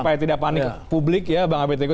supaya tidak panik publik ya bang abed teguh